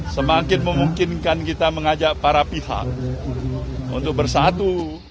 semakin memungkinkan kita mengajak para pihak untuk bersatu